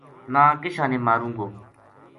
نا کِشاں ماروں گو